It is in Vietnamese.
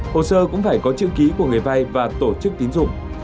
hồ sơ cũng phải có chữ ký của người vay và tổ chức tín dụng